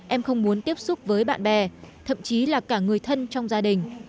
em không muốn tiếp xúc với bạn bè thậm chí là cả người thân trong gia đình